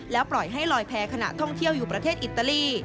ปล่อยให้ลอยแพ้ขณะท่องเที่ยวอยู่ประเทศอิตาลี